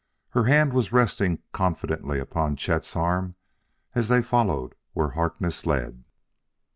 Her hand was resting confidently upon Chet's arm as they followed where Harkness led.